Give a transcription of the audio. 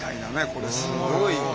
これすごい。